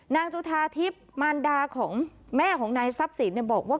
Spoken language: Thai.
จุธาทิพย์มารดาของแม่ของนายทรัพย์สินบอกว่า